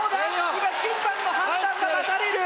今審判の判断が待たれる！